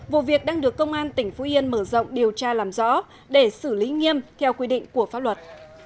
vụ việc đang được công an tỉnh phú yên mở rộng điều tra làm rõ để xử lý nghiêm theo quy định của pháp luật